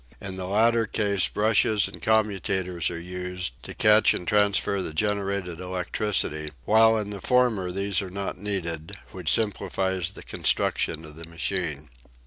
In the latter case brushes and commutators are used, to catch and transfer the generated electricity, while in the former these are not needed, which simplifies the construction of the machine.